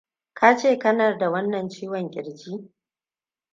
ka ce kanada wannan ciwon kirji